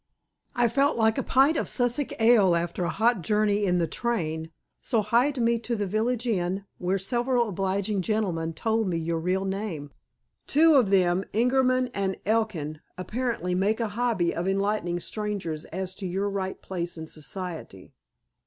"I felt like a pint of Sussex ale after a hot journey in the train, so hied me to the village inn, where several obliging gentlemen told me your real name. Two of them, Ingerman and Elkin, apparently make a hobby of enlightening strangers as to your right place in society."